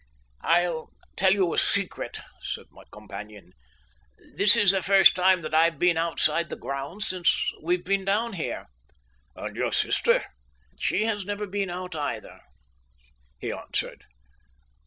"I'll tell you a secret," said my companion. "This is the first time that I have been outside the grounds since we have been down here." "And your sister?" "She has never been out, either," he answered.